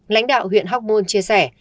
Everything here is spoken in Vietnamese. lãnh đạo huyện hóc môn chia sẻ